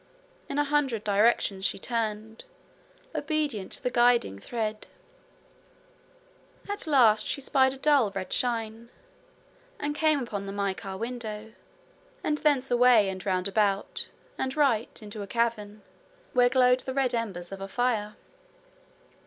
In a hundred directions she turned, obedient to the guiding thread. At last she spied a dull red shine, and came up to the mica window, and thence away and round about, and right, into a cavern, where glowed the red embers of a fire.